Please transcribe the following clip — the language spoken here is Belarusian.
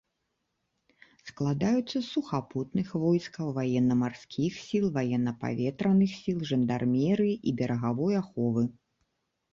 Складаюцца з сухапутных войскаў, ваенна-марскіх сіл, ваенна-паветраных сіл, жандармерыі і берагавой аховы.